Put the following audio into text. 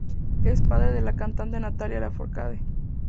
Es padre de la cantante Natalia Lafourcade.